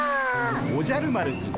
おじゃる丸くん